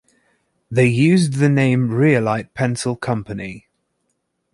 They used the name Realite Pencil Company.